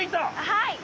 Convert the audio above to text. はい！